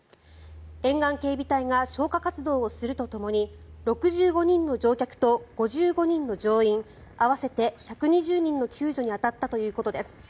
沿岸警備隊が消火活動をするとともに６５人の乗客と５５人の乗員合わせて１２０人の救助に当たったということです。